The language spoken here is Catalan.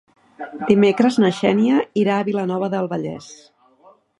Dimecres na Xènia irà a Vilanova del Vallès.